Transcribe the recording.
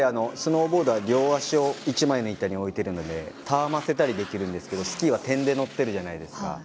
スノーボードは両足を一枚の板に置いているのでたわませたりできるんですがスキーは点で乗っているじゃないですか